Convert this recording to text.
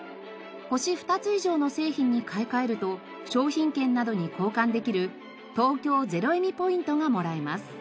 星２つ以上の製品に買い替えると商品券などに交換できる東京ゼロエミポイントがもらえます。